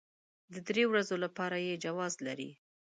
د درې ورځو لپاره يې جواز لري.